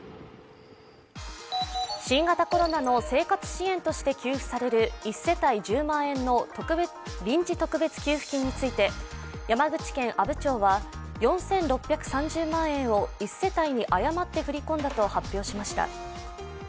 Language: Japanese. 新型コロナの生活支援として給付される１世帯１０万円の臨時特別給付金について山口県阿武町は、４６３０万円を１世帯に誤って振り込んだと発表しました。